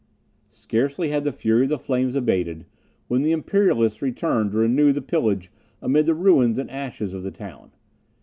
Scarcely had the fury of the flames abated, when the Imperialists returned to renew the pillage amid the ruins and ashes of the town.